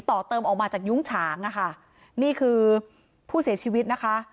ต่อเติมออกมาจากยุ้งฉางอะค่ะนี่คือผู้เสียชีวิตนะคะ